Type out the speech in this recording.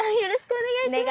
お願いします。